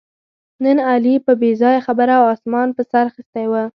نن علي په بې ځایه خبره اسمان په سر اخیستی و